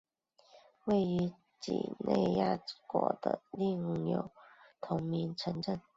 于几内亚国内另有同名城镇。